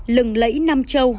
lừng lẫy nam châu